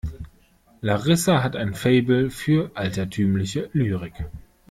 Larissa hat ein Faible für altertümliche Lyrik.